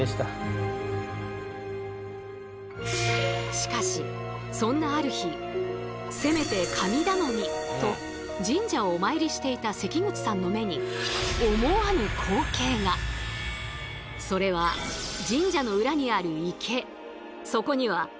しかしそんなある日「せめて神頼み」と神社をお参りしていた関口さんの目にそれは神社の裏にある池。